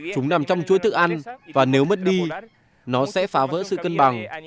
chúng nằm trong chuối thức ăn và nếu mất đi nó sẽ phá vỡ sự cân bằng